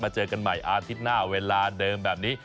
เจอกันใหม่อาทิตย์หน้าเวลาเดิมแบบนี้